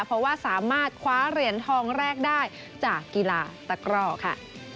เพราะว่าสามารถคว้าเหรียญทองแรกได้จากกีฬาตะกร่อค่ะ